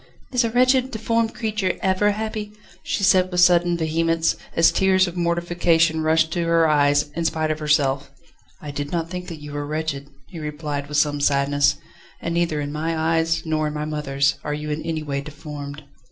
"Is a wretched, deformed creature ever happy?" she said with sudden vehemence, as tears of mortification rushed to her eyes, in spite of herself. "I did not think that you were wretched," he replied with some sadness, "and neither in my eyes, nor in my mother's, are you in any way deformed."